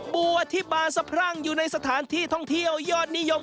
บัวที่บานสะพรั่งอยู่ในสถานที่ท่องเที่ยวยอดนิยม